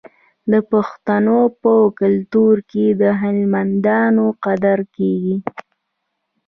د پښتنو په کلتور کې د هنرمندانو قدر کیږي.